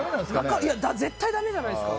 絶対だめじゃないですか。